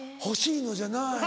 欲しいのじゃない。